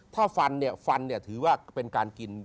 ถ้าฟันฟันถือว่าเป็นการกิน